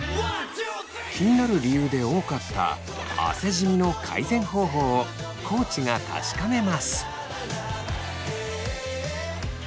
気になる理由で多かった汗じみの改善方法を地が確かめます。